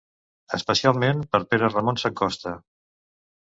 Especialment per Pere Ramon Sacosta.